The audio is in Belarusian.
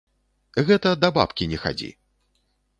Гэта да бабкі не хадзі!